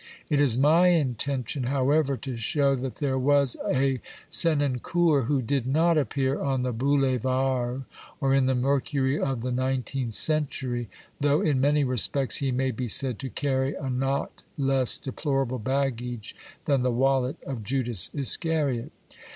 It is my intention, however, to show that there was a Senancour who did not appear on the boulevards or in the Mercury of the Nine teenth Century, though, in many respects, he may be said to carry a not less deplorable baggage than the wallet of Judas Iscariot.